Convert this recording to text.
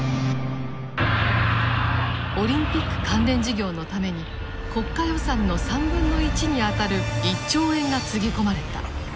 オリンピック関連事業のために国家予算の1/3にあたる１兆円がつぎ込まれた。